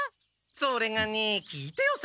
それがね聞いてよ